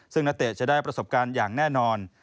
ซึ่งนักเตะจะได้ประสบการณ์อย่างแน่นอน